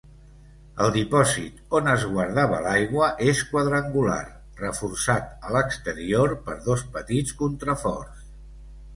El dipòsit on es guardava l'aigua és quadrangular, reforçat a l'exterior per dos petits contraforts.